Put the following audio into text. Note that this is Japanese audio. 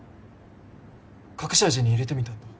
隠し味に入れてみたんだ。